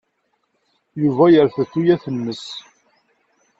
Yuba yerfed tuyat-nnes.